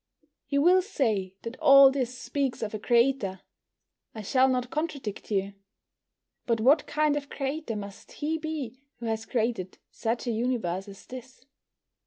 You will say that all this speaks of a Creator. I shall not contradict you. But what kind of Creator must He be who has created such a universe as this?